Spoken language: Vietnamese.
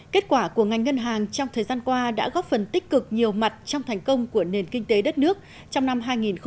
kết quả của ngành ngân hàng trong thời gian qua đã góp phần tích cực nhiều mặt trong thành công của nền kinh tế đất nước trong năm hai nghìn hai mươi